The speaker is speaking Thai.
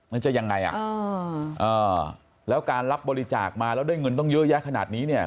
มันจะยังไงอ่ะแล้วการรับบริจาคมาแล้วได้เงินต้องเยอะแยะขนาดนี้เนี่ย